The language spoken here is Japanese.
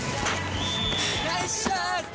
ナイスシュート！